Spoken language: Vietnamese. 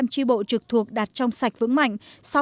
bốn mươi tri bộ trực thuộc đạt trong sạch vững mạnh